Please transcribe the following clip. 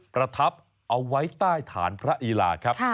ประทับเอาไว้ใต้ฐานพระอีลาครับ